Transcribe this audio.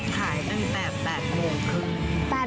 ขายตั้งแต่๘โมงครึ่ง